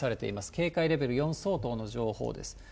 警戒レベル４相当の情報です。